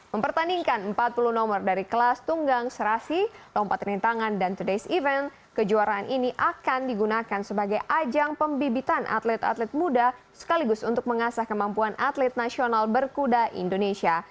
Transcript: mempertandingkan empat puluh nomor dari kelas tunggang serasi lompat rintangan dan todays event kejuaraan ini akan digunakan sebagai ajang pembibitan atlet atlet muda sekaligus untuk mengasah kemampuan atlet nasional berkuda indonesia